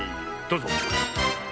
どうぞ。